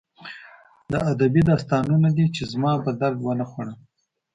دا ادبي داستانونه دي چې زما په درد ونه خوړل